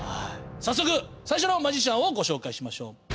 早速最初のマジシャンをご紹介しましょう。